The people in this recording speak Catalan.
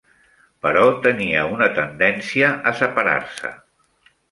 Però tenia una tendència a separar-se.